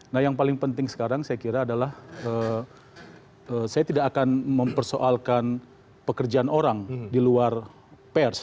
nah yang paling penting sekarang saya kira adalah saya tidak akan mempersoalkan pekerjaan orang di luar pers